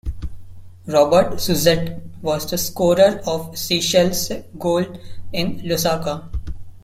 Robert Suzette was the scorer of Seychelles' goal in Lusaka.